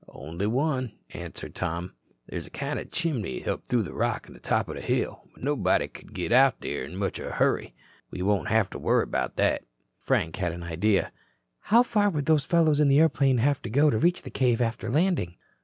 "Only one," answered Tom. "There's a kind o' chimney up through the rock to the top o' the hill. But nobody couldn't git out there in much of a hurry. We won't have to worry 'bout that." Frank had an idea. "How far would those fellows in the airplane have to go to reach the cave after landing?"